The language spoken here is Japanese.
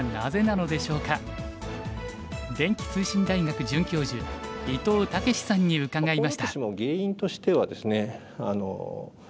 電気通信大学准教授伊藤毅志さんに伺いました。